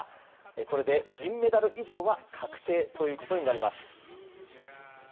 これで銀メダル以上は確定となります。